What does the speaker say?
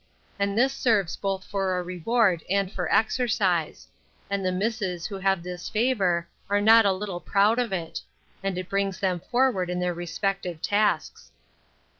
And this serves both for a reward, and for exercise; and the misses who have this favour are not a little proud of it; and it brings them forward in their respective tasks.